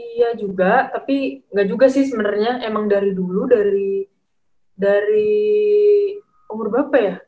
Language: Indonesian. iya juga tapi gak juga sih sebenernya emang dari dulu dari dari umur berapa ya